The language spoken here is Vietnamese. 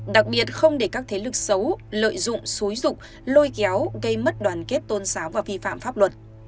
đặc biệt không để các thế lực xấu lợi dụng xúi rục lôi kéo gây mất đoàn kết tôn giáo và vi phạm pháp luật